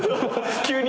急に。